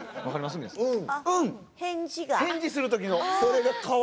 返事する時の。